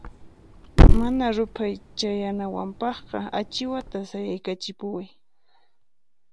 Mana ruphay chayanawanpaqqa achiwata sayaykachipuway.